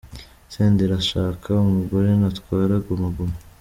Senderi azashaka umugore natwara Guma Guma.